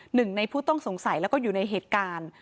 หนึ่งในผู้ต้องสงสัยแล้วก็อยู่ในเหตุการณ์